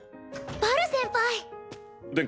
バル先輩！